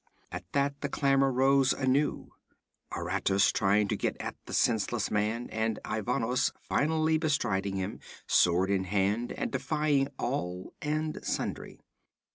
At that the clamor rose anew, Aratus trying to get at the senseless man and Ivanos finally bestriding him, sword in hand, and defying all and sundry.